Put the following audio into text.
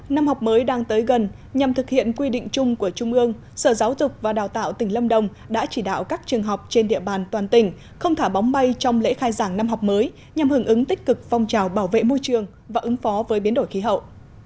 năm học mới đang tới gần nhằm thực hiện quy định chung của trung ương sở giáo dục và đào tạo tỉnh lâm đồng đã chỉ đạo các trường học trên địa bàn toàn tỉnh không thả bóng bay trong lễ khai giảng năm học mới nhằm hưởng ứng tích cực phong trào bảo vệ môi trường và ứng phó với biến đổi khí hậu